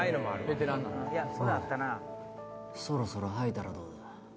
おいそろそろ吐いたらどうだ？